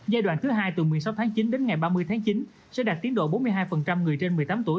giai đoạn thứ hai từ một mươi sáu tháng chín đến ngày ba mươi tháng chín sẽ đạt tiến độ bốn mươi hai người trên một mươi tám tuổi